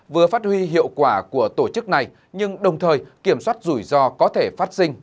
vừa phát huy hiệu quả của tổ chức này nhưng đồng thời kiểm soát rủi ro có thể phát sinh